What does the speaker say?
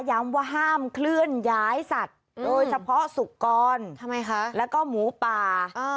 ว่าห้ามเคลื่อนย้ายสัตว์โดยเฉพาะสุกรแล้วก็หมูป่า